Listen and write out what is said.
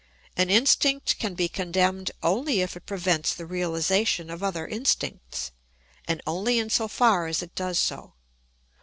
An instinct can be condemned only if it prevents the realisation of other instincts, and only in so far as it does so.